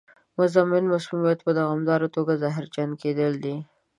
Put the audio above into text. مزمن مسمومیت په دوامداره توګه زهرجن کېدل دي.